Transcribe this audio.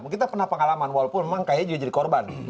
kita pernah pengalaman walaupun kai juga jadi korban